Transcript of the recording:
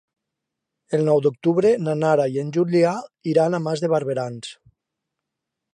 El nou d'octubre na Nara i en Julià iran a Mas de Barberans.